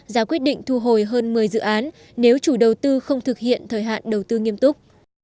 giả quyết định thu hồi hơn một mươi dự án nếu chủ đầu tư không thực hiện thời hạn đầu tư nghiêm túc